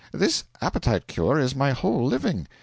This appetite cure is my whole living.